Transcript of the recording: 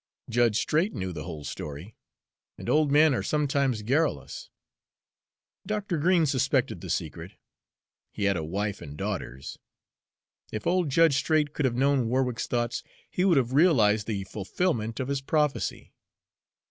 Judge Straight knew the whole story, and old men are sometimes garrulous. Dr. Green suspected the secret; he had a wife and daughters. If old Judge Straight could have known Warwick's thoughts, he would have realized the fulfillment of his prophecy.